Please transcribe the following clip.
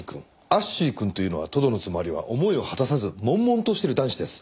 アッシーくんというのはとどのつまりは思いを果たさず悶々としている男子です。